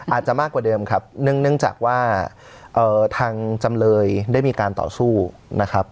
อาจจะมากกว่าเดิมครับเนื่องจากว่าทางจำเลยได้มีการต่อสู้นะครับ